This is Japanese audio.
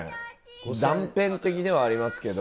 断片的ではありますけど。